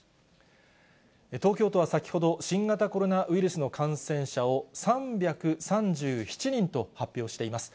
東京都は先ほど、新型コロナウイルスの感染者を３３７人と発表しています。